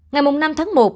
ngày năm tháng một